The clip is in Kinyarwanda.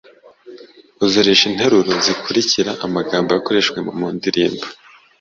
Uzurisha interuro zikurikira amagambo yakoreshejwe mu ndirimbo: